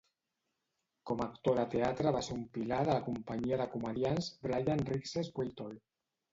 Com a actor de teatre va ser un pilar de la companyia de comediants Brian Rix's Whitehall.